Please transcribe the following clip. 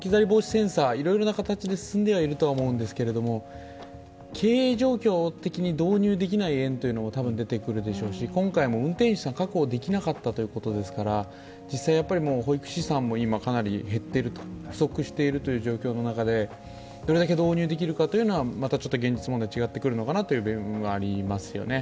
センサーいろいろな形で進んでいるとは思うんですけど経営式的に導入できない園も多分出てくるでしょうし、今回も運転手さんを確保できなかったということですから実際、もう保育士さんも今かなり減っている、不足しているという状況の中でどれだけ導入できるかはまたちょっと現実問題違ってくるのかなというのはありますよね。